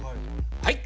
はい。